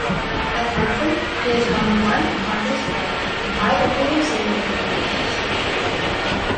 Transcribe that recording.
At Hartford he has won one conference tournament and five regular season championships.